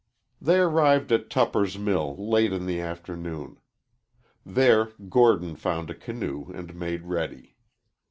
They arrived at Tupper's Mill late in the afternoon. There Gordon found a canoe and made ready.